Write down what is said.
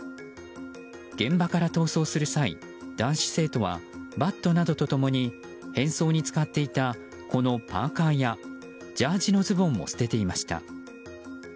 現場から逃走する際、男子生徒はバットなどと共に変装に使っていたこのパーカやジャージーのズボンも捨てていました。